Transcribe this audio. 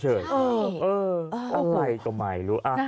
เออเอออะไรก็ไม่รู้